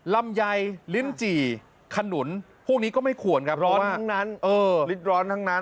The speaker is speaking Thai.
ลำไยลิ้นจี่ขนุนพวกนี้ก็ไม่ควรครับร้อนทั้งนั้นเออลิ้นร้อนทั้งนั้น